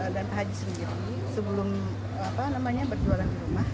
dan haji sunjongi sebelum berjualan di rumah